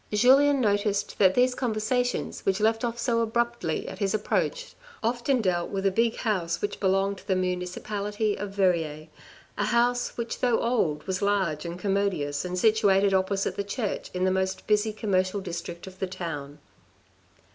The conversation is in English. Julien noticed that these conversations which left off so abruptly at his approach, often dealt with a big house which belonged to the municipality of Verrieres, a house which though old was large and commodious and situated opposite the church in the most busy commercial district of the town.